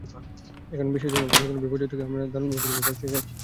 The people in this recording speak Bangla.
এখন বিশ্বাস জন্মেছে, যেকোনো বিপর্যয় থেকেও আমরা দারুণভাবে ঘুরে দাঁড়াতে শিখে গেছি।